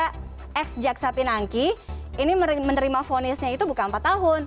kalau mau adil juga x jaksa pinangki ini menerima fonisnya itu bukan empat tahun